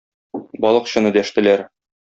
Балыкчыны дәштеләр.